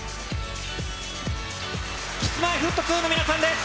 Ｋｉｓ−Ｍｙ−Ｆｔ２の皆さんです。